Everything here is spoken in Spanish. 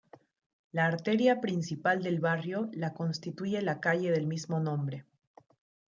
La arteria principal del barrio la constituye la calle del mismo nombre.